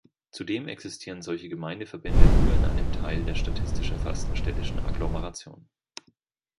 Zudem existieren solche Gemeindeverbände nur in einem Teil der statistisch erfassten städtischen Agglomerationen.